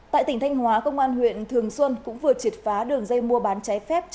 tại tỉnh thanh hóa công an huyện thường xuân cũng vừa triệt phá đường dây mua bán trái phép